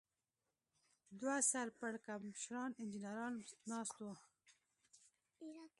دوه سر پړکمشران انجنیران ناست و.